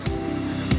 lalu lebih tua